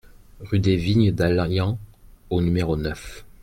Rue des Vignes d'Allians au numéro neuf